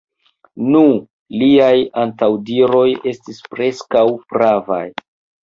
Nu, liaj antaŭdiroj estis preskaŭ pravaj!